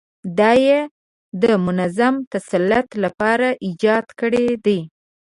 دا یې د منظم تسلط لپاره ایجاد کړي دي.